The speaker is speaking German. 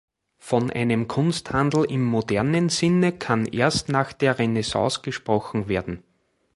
Von einem Kunsthandel im modernen Sinne kann erst nach der Renaissance gesprochen werden.